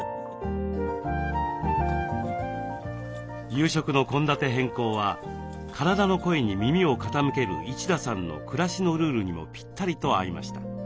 夕食の献立変更は体の声に耳を傾ける一田さんの暮らしのルールにもぴったりと合いました。